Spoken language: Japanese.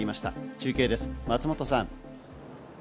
中継です、松本さん。